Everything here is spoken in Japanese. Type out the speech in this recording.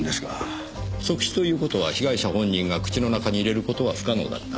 即死という事は被害者本人が口の中に入れる事は不可能だった。